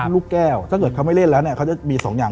ลูกแก้วถ้าเกิดเขาไม่เล่นแล้วเนี่ยเขาจะมีสองอย่าง